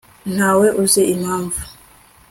ntawe uzi impamvu